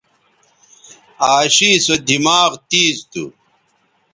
عاشی سو دماغ تیز تھو